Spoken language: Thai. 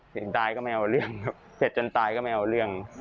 ถึงตายก็ไม่เอาเรื่องเผ็ดจนตายก็ไม่เอาเรื่อง